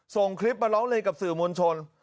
ส่งคลิปมาร้องเรียนกับสื่อมวลชน